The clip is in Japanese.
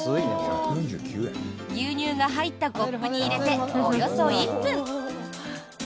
牛乳が入ったコップに入れておよそ１分。